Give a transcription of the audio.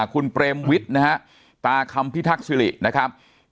คุณเปรมวิทย์นะฮะตาคำพิทักษิรินะครับ